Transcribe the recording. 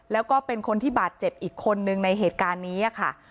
แล้วก็เป็นคนที่บาดเจ็บอีกคนนึงในเหตุการณ์นี้ค่ะ